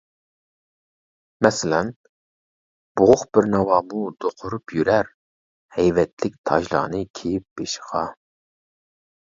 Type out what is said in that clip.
مەسىلەن: بوغۇق بىر ناۋامۇ دوقۇرۇپ يۈرەر، ھەيۋەتلىك تاجلارنى كىيىپ بېشىغا.